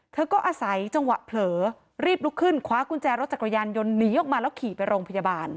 เธอก็อาศัยจังหวะเผลอรีบลุกขึ้นคว้ากุญแจรถจักรยานยนต์หนีออกมาแล้วขี่ไปโรงพยาบาล